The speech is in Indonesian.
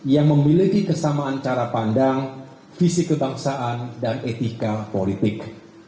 yang memiliki kesamaan cara pandang visi kebangsaan dan etika politik